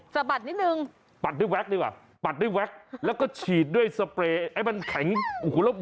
สะบัดนิดนึงปัดด้วยแวคดิกว่ะแล้วก็ฉีดด้วยสเปรย์